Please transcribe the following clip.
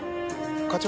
課長。